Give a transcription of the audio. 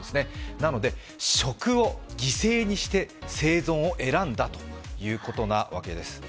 なので食を犠牲にして、生存を選んだというわけです。